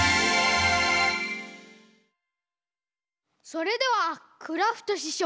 それではクラフトししょう。